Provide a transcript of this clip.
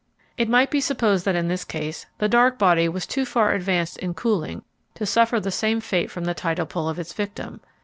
It might be supposed that in this case the dark body was too far advanced in cooling to suffer the same fate from the tidal pull of its victim.